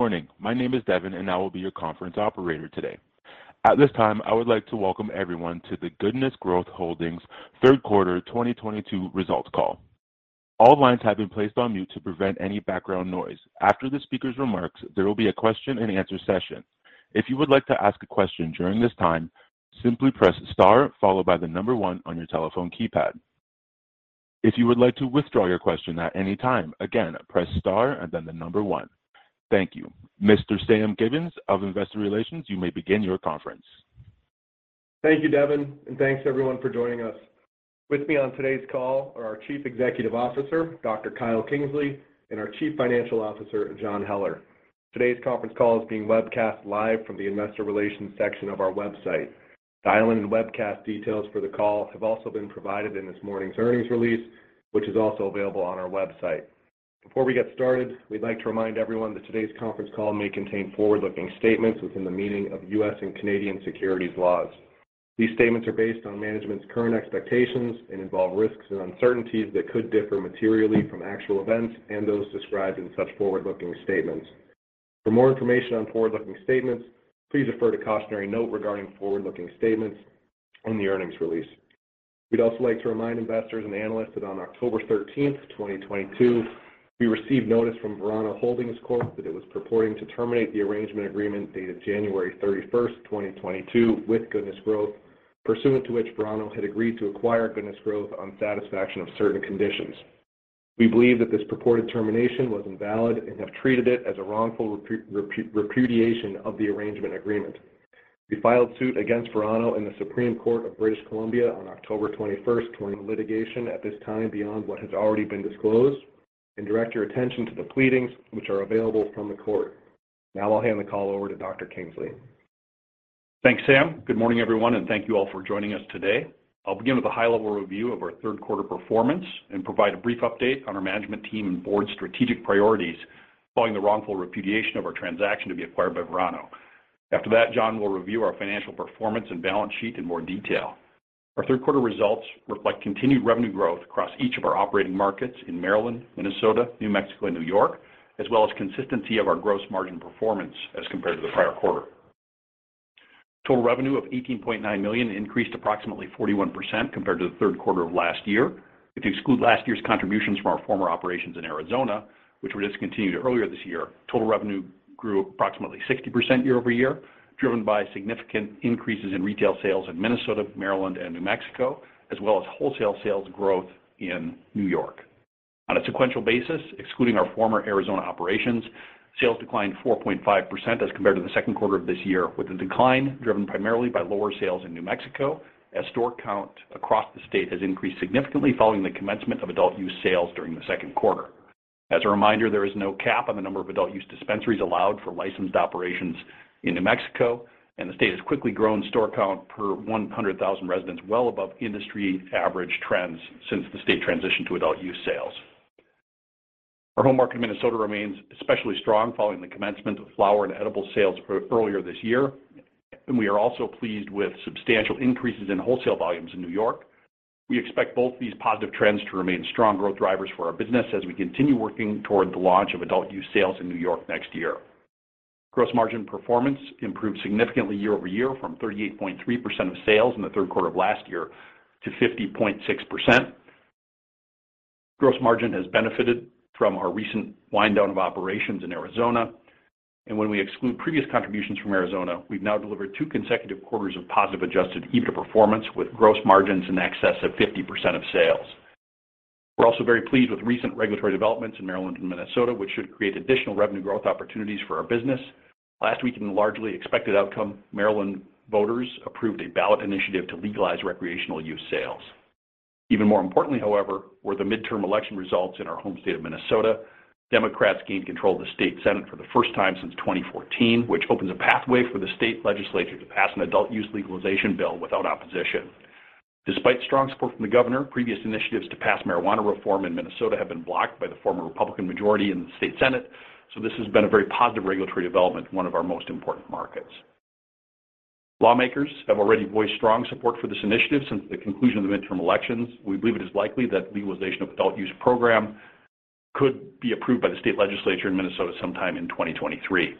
Good morning. My name is Devin, and I will be your conference operator today. At this time, I would like to welcome everyone to the Goodness Growth Holdings third quarter 2022 results call. All lines have been placed on mute to prevent any background noise. After the speaker's remarks, there will be a question-and-answer session. If you would like to ask a question during this time, simply press star followed by the number one on your telephone keypad. If you would like to withdraw your question at any time, again, press star and then the number one. Thank you. Mr. Sam Gibbons of Investor Relations, you may begin your conference. Thank you, Devin, and thanks everyone for joining us. With me on today's call are our Chief Executive Officer, Dr. Kyle Kingsley, and our Chief Financial Officer, John Heller. Today's conference call is being webcast live from the Investor Relations section of our website. Dial-in and webcast details for the call have also been provided in this morning's earnings release, which is also available on our website. Before we get started, we'd like to remind everyone that today's conference call may contain forward-looking statements within the meaning of U.S. and Canadian securities laws. These statements are based on management's current expectations and involve risks and uncertainties that could differ materially from actual events and those described in such forward-looking statements. For more information on forward-looking statements, please refer to cautionary note regarding forward-looking statements in the earnings release. We'd also like to remind investors and analysts that on October thirteenth, twenty twenty-two, we received notice from Verano Holdings Corp. that it was purporting to terminate the arrangement agreement dated January thirty-first, twenty twenty-two with Goodness Growth, pursuant to which Verano had agreed to acquire Goodness Growth on satisfaction of certain conditions. We believe that this purported termination was invalid and have treated it as a wrongful repudiation of the arrangement agreement. We filed suit against Verano in the Supreme Court of British Columbia on October twenty-first. Litigation at this time beyond what has already been disclosed, and direct your attention to the pleadings which are available from the court. Now I'll hand the call over to Dr. Kingsley. Thanks, Sam. Good morning, everyone, and thank you all for joining us today. I'll begin with a high-level review of our third quarter performance and provide a brief update on our management team and board strategic priorities following the wrongful repudiation of our transaction to be acquired by Verano. After that, John will review our financial performance and balance sheet in more detail. Our third quarter results reflect continued revenue growth across each of our operating markets in Maryland, Minnesota, New Mexico, and New York, as well as consistency of our gross margin performance as compared to the prior quarter. Total revenue of $18.9 million increased approximately 41% compared to the third quarter of last year. If you exclude last year's contributions from our former operations in Arizona, which were discontinued earlier this year, total revenue grew approximately 60% year-over-year, driven by significant increases in retail sales in Minnesota, Maryland, and New Mexico, as well as wholesale sales growth in New York. On a sequential basis, excluding our former Arizona operations, sales declined 4.5% as compared to the second quarter of this year, with the decline driven primarily by lower sales in New Mexico, as store count across the state has increased significantly following the commencement of adult use sales during the second quarter. As a reminder, there is no cap on the number of adult use dispensaries allowed for licensed operations in New Mexico, and the state has quickly grown store count per 100,000 residents well above industry average trends since the state transitioned to adult use sales. Our home market in Minnesota remains especially strong following the commencement of flower and edible sales earlier this year, and we are also pleased with substantial increases in wholesale volumes in New York. We expect both these positive trends to remain strong growth drivers for our business as we continue working toward the launch of adult use sales in New York next year. Gross margin performance improved significantly year-over-year from 38.3% of sales in the third quarter of last year to 50.6%. Gross margin has benefited from our recent wind down of operations in Arizona, and when we exclude previous contributions from Arizona, we've now delivered two consecutive quarters of positive adjusted EBITDA performance with gross margins in excess of 50% of sales. We're also very pleased with recent regulatory developments in Maryland and Minnesota, which should create additional revenue growth opportunities for our business. Last week, in a largely expected outcome, Maryland voters approved a ballot initiative to legalize recreational use sales. Even more importantly, however, were the midterm election results in our home state of Minnesota. Democrats gained control of the state senate for the first time since 2014, which opens a pathway for the state legislature to pass an adult use legalization bill without opposition. Despite strong support from the governor, previous initiatives to pass marijuana reform in Minnesota have been blocked by the former Republican majority in the state senate, so this has been a very positive regulatory development in one of our most important markets. Lawmakers have already voiced strong support for this initiative since the conclusion of the midterm elections. We believe it is likely that legalization of adult use program could be approved by the state legislature in Minnesota sometime in 2023.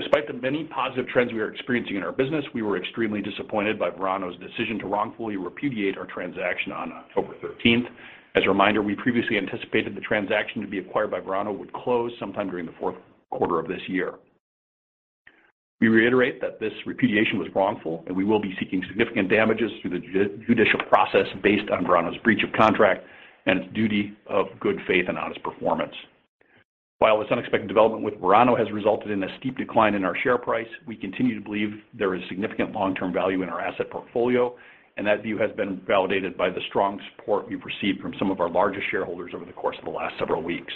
Despite the many positive trends we are experiencing in our business, we were extremely disappointed by Verano's decision to wrongfully repudiate our transaction on October thirteenth. As a reminder, we previously anticipated the transaction to be acquired by Verano would close sometime during the fourth quarter of this year. We reiterate that this repudiation was wrongful, and we will be seeking significant damages through the judicial process based on Verano's breach of contract and its duty of good faith and honest performance. While this unexpected development with Verano has resulted in a steep decline in our share price, we continue to believe there is significant long-term value in our asset portfolio, and that view has been validated by the strong support we've received from some of our largest shareholders over the course of the last several weeks.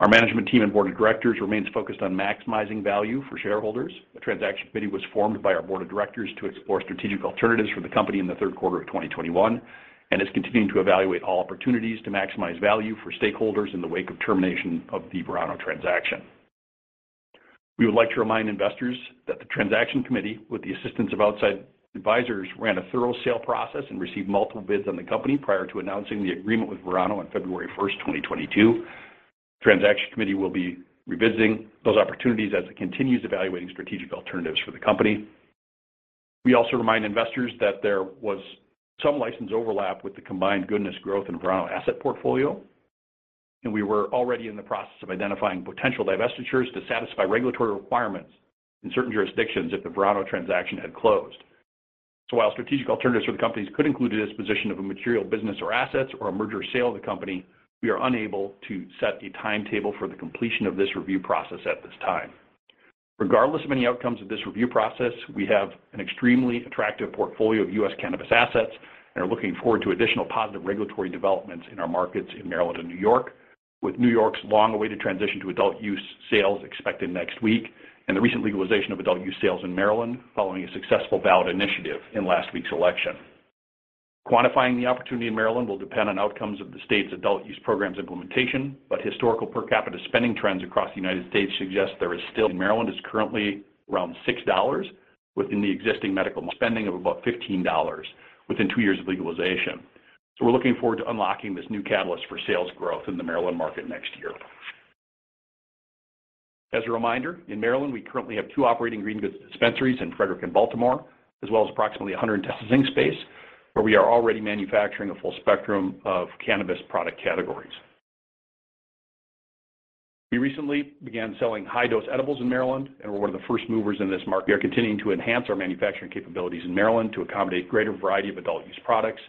Our management team and board of directors remains focused on maximizing value for shareholders. A transaction committee was formed by our board of directors to explore strategic alternatives for the company in the third quarter of 2021, and is continuing to evaluate all opportunities to maximize value for stakeholders in the wake of termination of the Verano transaction. We would like to remind investors that the transaction committee, with the assistance of outside advisors, ran a thorough sale process and received multiple bids on the company prior to announcing the agreement with Verano on February 1, 2022. Transaction committee will be revisiting those opportunities as it continues evaluating strategic alternatives for the company. We also remind investors that there was some license overlap with the combined Goodness Growth and Verano asset portfolio, and we were already in the process of identifying potential divestitures to satisfy regulatory requirements in certain jurisdictions if the Verano transaction had closed. While strategic alternatives for the companies could include a disposition of a material business or assets or a merger sale of the company, we are unable to set a timetable for the completion of this review process at this time. Regardless of any outcomes of this review process, we have an extremely attractive portfolio of U.S. cannabis assets and are looking forward to additional positive regulatory developments in our markets in Maryland and New York, with New York's long-awaited transition to adult use sales expected next week and the recent legalization of adult use sales in Maryland following a successful ballot initiative in last week's election. Quantifying the opportunity in Maryland will depend on outcomes of the state's adult use program's implementation. Historical per capita spending trends across the United States suggest Maryland is currently around $6 within the existing medical spending of about $15 within two years of legalization. We're looking forward to unlocking this new catalyst for sales growth in the Maryland market next year. As a reminder, in Maryland, we currently have two operating Green Goods dispensaries in Frederick and Baltimore, as well as approximately 100 testing space, where we are already manufacturing a full spectrum of cannabis product categories. We recently began selling high-dose edibles in Maryland, and we're one of the first movers in this market. We are continuing to enhance our manufacturing capabilities in Maryland to accommodate greater variety of adult use products.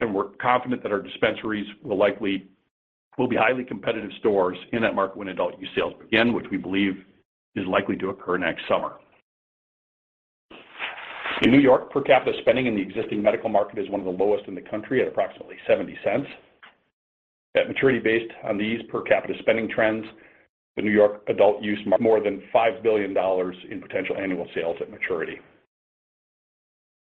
We're confident that our dispensaries will be highly competitive stores in that market when adult use sales begin, which we believe is likely to occur next summer. In New York, per capita spending in the existing medical market is one of the lowest in the country at approximately $0.70. At maturity, based on these per capita spending trends, the New York adult use more than $5 billion in potential annual sales at maturity.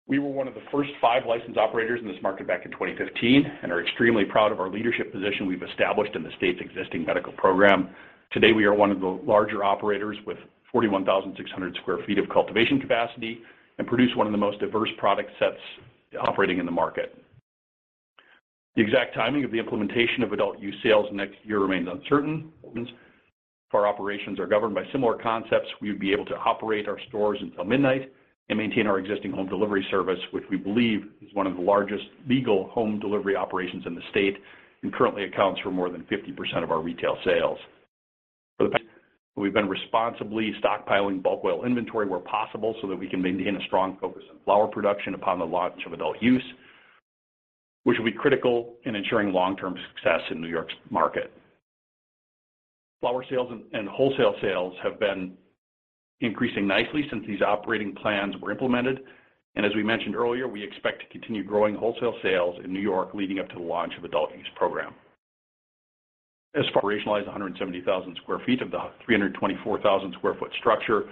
We were one of the first five licensed operators in this market back in 2015 and are extremely proud of our leadership position we've established in the state's existing medical program. Today, we are one of the larger operators with 41,600 sq ft of cultivation capacity and produce 1 of the most diverse product sets operating in the market. The exact timing of the implementation of adult use sales next year remains uncertain. Our operations are governed by similar concepts. We would be able to operate our stores until midnight and maintain our existing home delivery service, which we believe is one of the largest legal home delivery operations in the state and currently accounts for more than 50% of our retail sales. We've been responsibly stockpiling bulk oil inventory where possible so that we can maintain a strong focus on flower production upon the launch of adult use, which will be critical in ensuring long-term success in New York's market. Flower sales and wholesale sales have been increasing nicely since these operating plans were implemented. As we mentioned earlier, we expect to continue growing wholesale sales in New York leading up to the launch of adult use program. We've operationalized 170,000 sq ft of the 324,000 sq ft structure.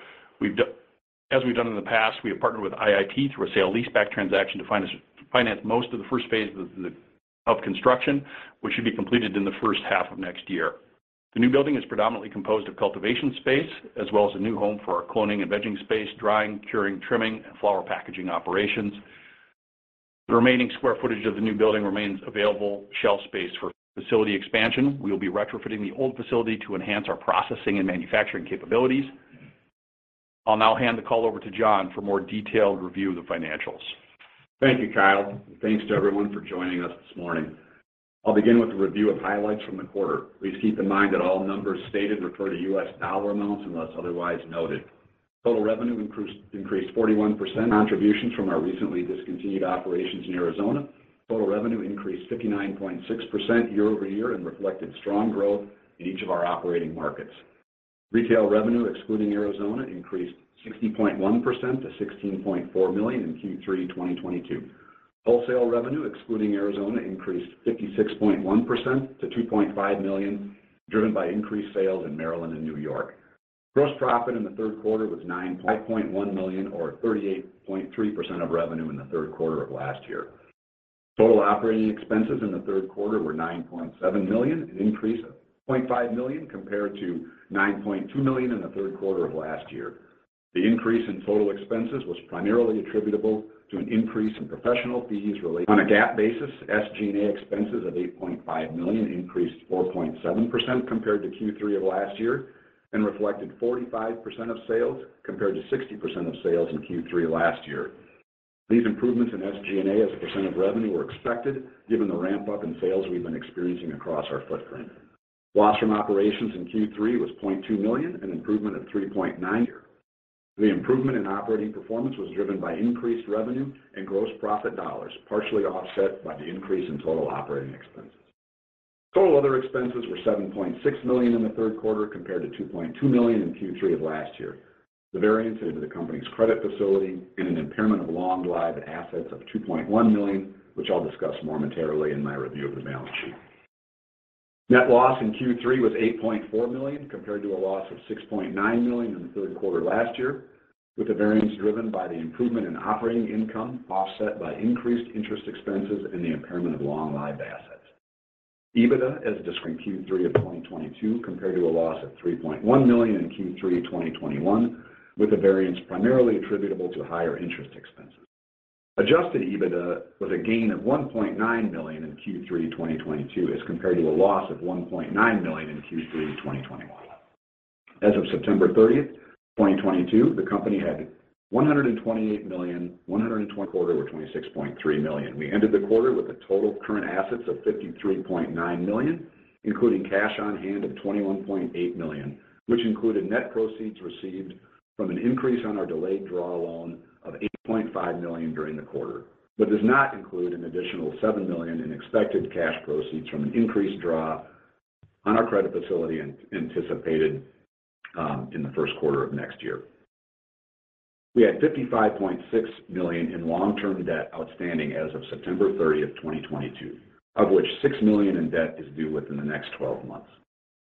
As we've done in the past, we have partnered with IIP through a sale leaseback transaction to finance most of the first phase of the construction, which should be completed in the first half of next year. The new building is predominantly composed of cultivation space, as well as a new home for our cloning and vegging space, drying, curing, trimming, and flower packaging operations. The remaining square footage of the new building remains available shelf space for facility expansion. We will be retrofitting the old facility to enhance our processing and manufacturing capabilities. I'll now hand the call over to John for more detailed review of the financials. Thank you, Kyle. Thanks to everyone for joining us this morning. I'll begin with a review of highlights from the quarter. Please keep in mind that all numbers stated refer to U.S. dollar amounts unless otherwise noted. Total revenue increased 41%. Contributions from our recently discontinued operations in Arizona. Total revenue increased 59.6% year-over-year and reflected strong growth in each of our operating markets. Retail revenue, excluding Arizona, increased 60.1% to $16.4 million in Q3 2022. Wholesale revenue, excluding Arizona, increased 56.1% to $2.5 million, driven by increased sales in Maryland and New York. Gross profit in the third quarter was $9.1 million or 38.3% of revenue in the third quarter of last year. Total operating expenses in the third quarter were $9.7 million, an increase of $0.5 million compared to $9.2 million in the third quarter of last year. The increase in total expenses was primarily attributable to an increase in professional fees. On a GAAP basis, SG&A expenses of $8.5 million increased 4.7% compared to Q3 of last year and reflected 45% of sales compared to 60% of sales in Q3 last year. These improvements in SG&A as a percent of revenue were expected given the ramp-up in sales we've been experiencing across our footprint. Loss from operations in Q3 was $0.2 million, an improvement of $3.9 million. The improvement in operating performance was driven by increased revenue and gross profit dollars, partially offset by the increase in total operating expenses. Total other expenses were $7.6 million in the third quarter, compared to $2.2 million in Q3 of last year. The variance due to the company's credit facility and an impairment of long-lived assets of $2.1 million, which I'll discuss more momentarily in my review of the balance sheet. Net loss in Q3 was $8.4 million, compared to a loss of $6.9 million in the third quarter last year, with the variance driven by the improvement in operating income offset by increased interest expenses and the impairment of long-lived assets. EBITDA as described in Q3 of 2022 compared to a loss of $3.1 million in Q3 2021, with the variance primarily attributable to higher interest expenses. Adjusted EBITDA was a gain of $1.9 million in Q3 2022 as compared to a loss of $1.9 million in Q3 2021. As of September 30th, 2022, the company had $128.1 million in total assets and $26.3 million in stockholders' equity. We ended the quarter with total current assets of $53.9 million, including cash on hand of $21.8 million, which included net proceeds received from an increase on our delayed draw loan of $8.5 million during the quarter, but does not include an additional $7 million in expected cash proceeds from an increased draw on our credit facility in the first quarter of next year. We had $55.6 million in long-term debt outstanding as of September 30th, 2022, of which $6 million in debt is due within the next 12 months.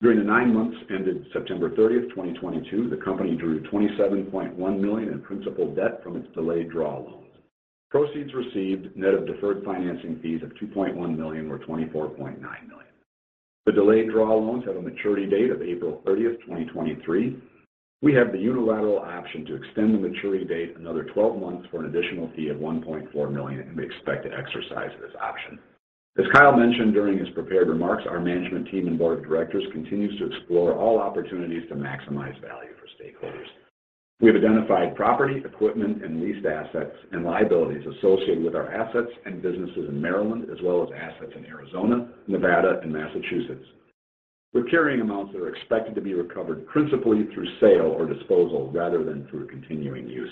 During the nine months ended September 30, 2022, the company drew $27.1 million in principal debt from its delayed draw loans. Proceeds received net of deferred financing fees of $2.1 million were $24.9 million. The delayed draw loans have a maturity date of April 30, 2023. We have the unilateral option to extend the maturity date another 12 months for an additional fee of $1.4 million, and we expect to exercise this option. As Kyle mentioned during his prepared remarks, our management team and board of directors continues to explore all opportunities to maximize value for stakeholders. We have identified property, equipment, and leased assets and liabilities associated with our assets and businesses in Maryland, as well as assets in Arizona, Nevada, and Massachusetts, with carrying amounts that are expected to be recovered principally through sale or disposal rather than through continuing use.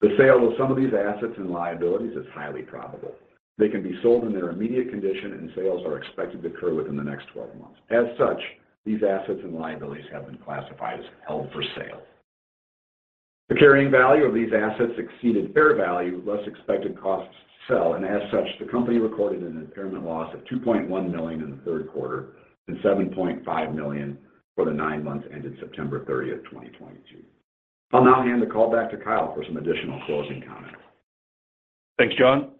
The sale of some of these assets and liabilities is highly probable. They can be sold in their immediate condition, and sales are expected to occur within the next 12 months. As such, these assets and liabilities have been classified as held for sale. The carrying value of these assets exceeded fair value, less expected costs to sell. As such, the company recorded an impairment loss of $2.1 million in the third quarter and $7.5 million for the 9 months ended September 30, 2022. I'll now hand the call back to Kyle for some additional closing comments. Thanks, John.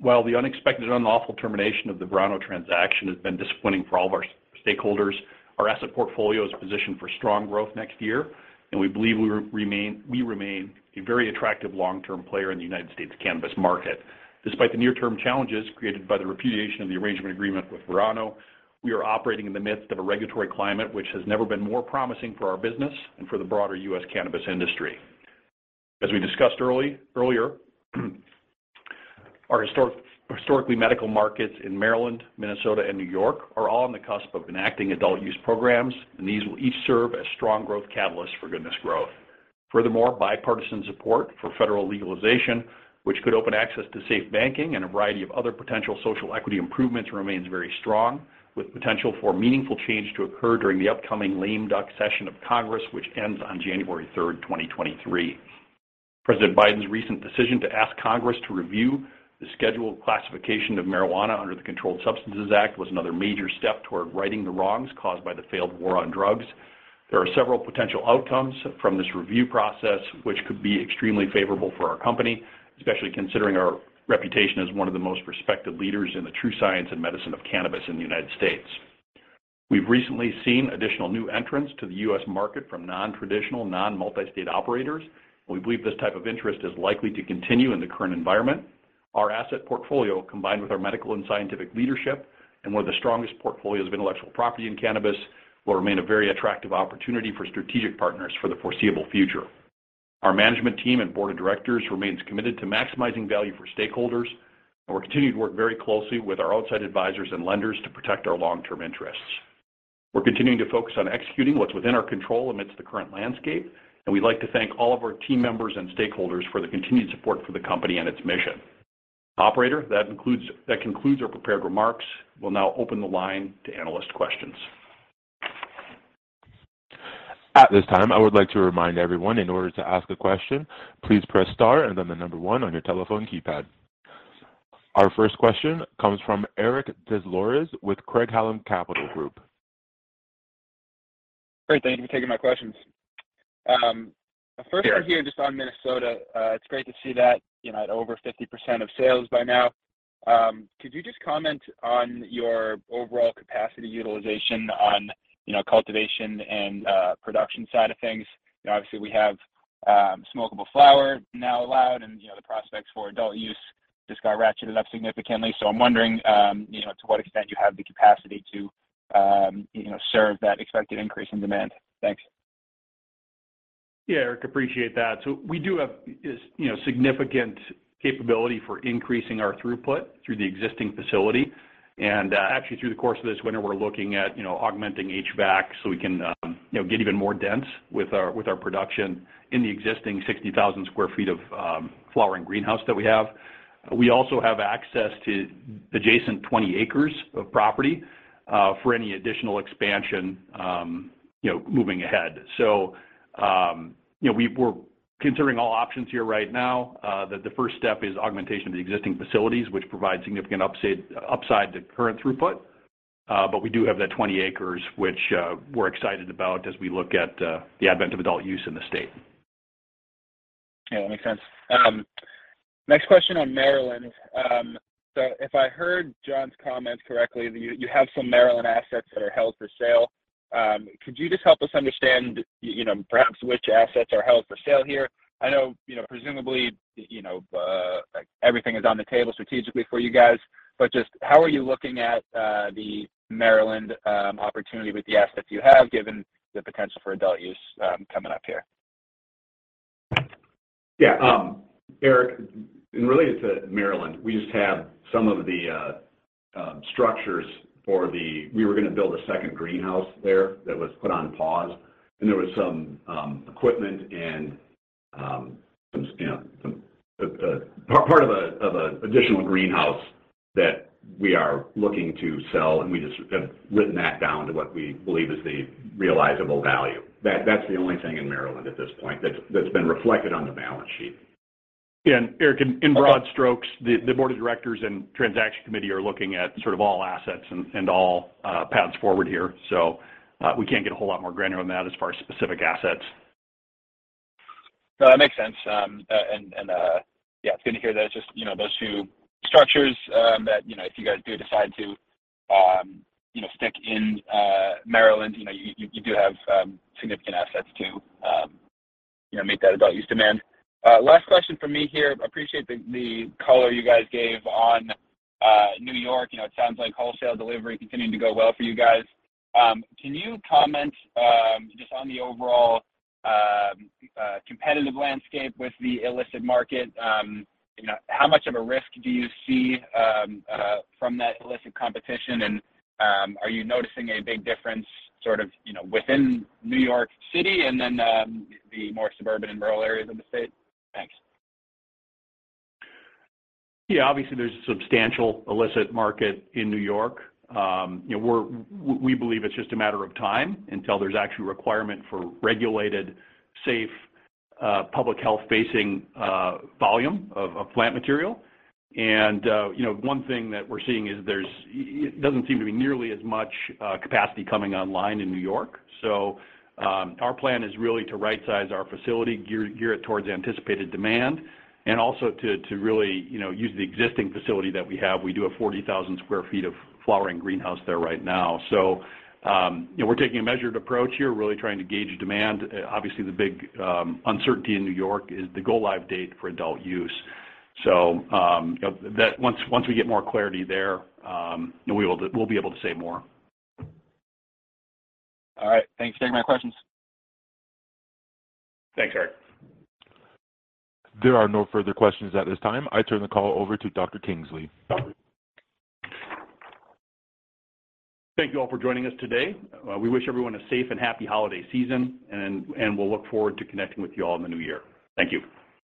While the unexpected unlawful termination of the Verano transaction has been disappointing for all of our stakeholders, our asset portfolio is positioned for strong growth next year, and we believe we remain a very attractive long-term player in the United States cannabis market. Despite the near-term challenges created by the repudiation of the arrangement agreement with Verano, we are operating in the midst of a regulatory climate which has never been more promising for our business and for the broader U.S. cannabis industry. As we discussed, our historically medical markets in Maryland, Minnesota, and New York are all on the cusp of enacting adult use programs, and these will each serve as strong growth catalysts for Goodness Growth. Furthermore, bipartisan support for federal legalization, which could open access to SAFE Banking and a variety of other potential social equity improvements, remains very strong, with potential for meaningful change to occur during the upcoming lame duck session of Congress, which ends on January third, 2023. President Biden's recent decision to ask Congress to review the scheduled classification of marijuana under the Controlled Substances Act was another major step toward righting the wrongs caused by the failed war on drugs. There are several potential outcomes from this review process, which could be extremely favorable for our company, especially considering our reputation as one of the most respected leaders in the true science and medicine of cannabis in the United States. We've recently seen additional new entrants to the U.S. market from non-traditional, non-multi-state operators. We believe this type of interest is likely to continue in the current environment. Our asset portfolio, combined with our medical and scientific leadership and one of the strongest portfolios of intellectual property in cannabis, will remain a very attractive opportunity for strategic partners for the foreseeable future. Our management team and board of directors remains committed to maximizing value for stakeholders, and we're continuing to work very closely with our outside advisors and lenders to protect our long-term interests. We're continuing to focus on executing what's within our control amidst the current landscape, and we'd like to thank all of our team members and stakeholders for the continued support for the company and its mission. Operator, that concludes our prepared remarks. We'll now open the line to analyst questions. At this time, I would like to remind everyone in order to ask a question, please press star and then the number one on your telephone keypad. Our first question comes from Eric Des Lauriers with Craig-Hallum Capital Group. Great. Thank you for taking my questions. First one here just on Minnesota. It's great to see that, you know, at over 50% of sales by now. Could you just comment on your overall capacity utilization on, you know, cultivation and production side of things? You know, obviously, we have smokable flower now allowed, and, you know, the prospects for adult use just got ratcheted up significantly. I'm wondering, you know, to what extent you have the capacity to, you know, serve that expected increase in demand. Thanks. Yeah, Eric, appreciate that. We do have this, you know, significant capability for increasing our throughput through the existing facility. Actually, through the course of this winter, we're looking at, you know, augmenting HVAC, so we can, you know, get even more dense with our production in the existing 60,000 sq ft of flowering greenhouse that we have. We also have access to adjacent 20 acres of property for any additional expansion, you know, moving ahead. You know, we're considering all options here right now. The first step is augmentation of the existing facilities, which provide significant upside to current throughput. But we do have that 20 acres, which we're excited about as we look at the advent of adult use in the state. Yeah, that makes sense. Next question on Maryland. So if I heard John's comments correctly, you have some Maryland assets that are held for sale. Could you just help us understand, you know, perhaps which assets are held for sale here? I know, you know, presumably, you know, like everything is on the table strategically for you guys, but just how are you looking at the Maryland opportunity with the assets you have, given the potential for adult use coming up here? Yeah. Eric, in relation to Maryland, we just have some of the structures for the. We were gonna build a second greenhouse there that was put on pause, and there was some equipment and some, you know, some part of an additional greenhouse that we are looking to sell, and we just have written that down to what we believe is the realizable value. That's the only thing in Maryland at this point that's been reflected on the balance sheet. Eric, in broad strokes, the board of directors and transaction committee are looking at sort of all assets and all paths forward here. We can't get a whole lot more granular than that as far as specific assets. No, that makes sense. Yeah, it's good to hear that it's just, you know, those two structures that, you know, if you guys do decide to, you know, stick in Maryland, you know, you do have significant assets to, you know, meet that adult use demand. Last question from me here. Appreciate the color you guys gave on New York. You know, it sounds like wholesale delivery continuing to go well for you guys. Can you comment just on the overall competitive landscape with the illicit market? You know, how much of a risk do you see from that illicit competition? Are you noticing a big difference sort of, you know, within New York City and then the more suburban and rural areas of the state? Thanks. Yeah. Obviously, there's a substantial illicit market in New York. You know, we believe it's just a matter of time until there's actually requirement for regulated, safe, public health-facing, volume of plant material. You know, one thing that we're seeing is it doesn't seem to be nearly as much capacity coming online in New York. Our plan is really to right-size our facility, gear it towards anticipated demand and also to really, you know, use the existing facility that we have. We do have 40,000 sq ft of flowering greenhouse there right now. You know, we're taking a measured approach here, really trying to gauge demand. Obviously, the big uncertainty in New York is the go-live date for adult use. You know that once we get more clarity there, we'll be able to say more. All right. Thanks for taking my questions. Thanks, Eric. There are no further questions at this time. I turn the call over to Dr. Kingsley. Thank you all for joining us today. We wish everyone a safe and happy holiday season, and we'll look forward to connecting with you all in the new year. Thank you.